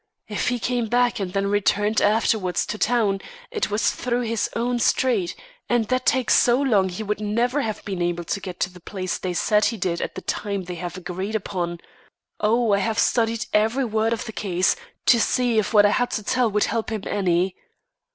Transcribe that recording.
If he came back and then returned afterwards to town, it was through his own street, and that takes so long, he would never have been able to get to the place they said he did at the time they have agreed upon. Oh! I have studied every word of the case, to see if what I had to tell would help him any.